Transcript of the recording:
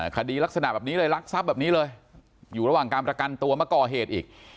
คดีลักษณะแบบนี้เลยรักทรัพย์แบบนี้เลยอยู่ระหว่างการประกันตัวมาก่อเหตุอีก